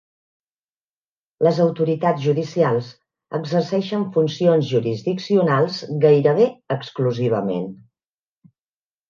Les autoritats judicials exerceixen funcions jurisdiccionals gairebé exclusivament.